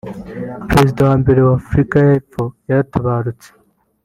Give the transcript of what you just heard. perezida wa mbere wa Afurika y’epfo yaratabarutse